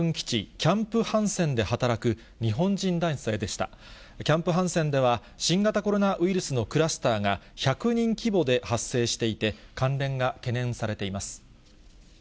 キャンプ・ハンセンでは、新型コロナウイルスのクラスターが１００人規模で発生していて、関連が懸念されています。